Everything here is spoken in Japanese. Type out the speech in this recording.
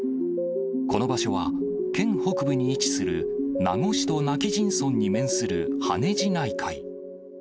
この場所は、県北部に位置する名護市と今帰仁村に面する、羽地内海。